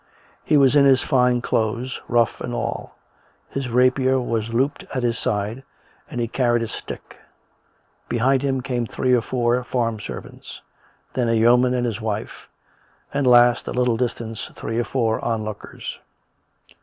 He was in his fine clothes, ruff and all; his rapier was looped at his side, and he carried a stick. Behind him came three or four farm servants; then a yeoman and his wife; and last, at a little distance, three or four onlookers.